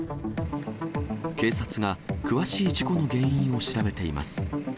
警察が詳しい事故の原因を調べています。